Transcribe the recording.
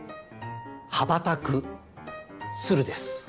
羽ばたく鶴です。